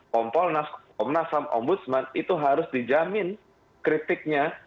kompol nasam ombudsman itu harus dijamin kritiknya